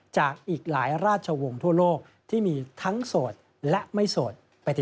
อีกหลายราชวงศ์ทั่วโลกที่มีทั้งโสดและไม่โสดไปติด